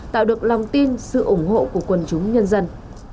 tạo được lòng tin sự ủng hộ của quần chúng nhân dân